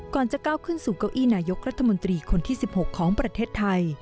จะก้าวขึ้นสู่เก้าอี้นายกรัฐมนตรีคนที่๑๖ของประเทศไทย